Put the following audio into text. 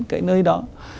cái nơi đó